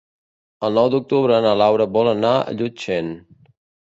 El nou d'octubre na Laura vol anar a Llutxent.